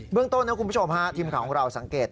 เรื่องต้นนะคุณผู้ชมฮะทีมข่าวของเราสังเกต